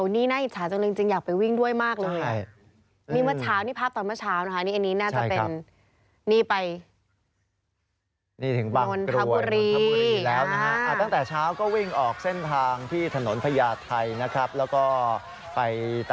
นี่น่าอิจฉาจังจริงอยากไปวิ่งด้วยมากเลย